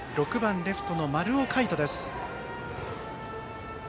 打席には６番レフトの丸尾櫂人です。